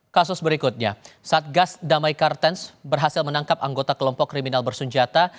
kasus berikutnya satgas damai kartens berhasil menangkap anggota kelompok kriminal bersenjata